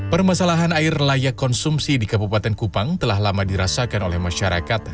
permasalahan air layak konsumsi di kabupaten kupang telah lama dirasakan oleh masyarakat